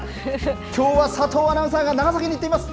きょうは佐藤アナウンサーが長崎に行っています。